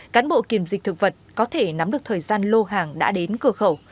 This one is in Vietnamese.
cán bộ kiểm dịch thực vật có thể nắm được thời gian lô hàng đã đến cửa khẩu